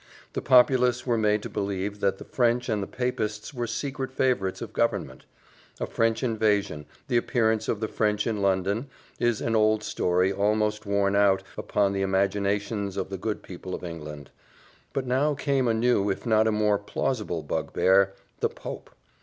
The populace were made to believe that the French and the papists were secret favourites of government: a French invasion, the appearance of the French in London, is an old story almost worn out upon the imaginations of the good people of England; but now came a new if not a more plausible bugbear the Pope!